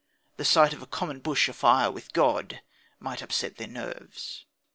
The sight of a "common bush afire with God" might upset their nerves.